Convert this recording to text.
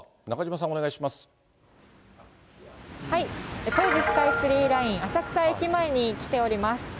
中島さん、お願いします。